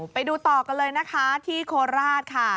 ไปดูต่อกันเลยที่โคราชข้า